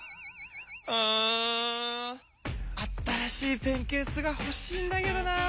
うん新しいペンケースがほしいんだけどなあ。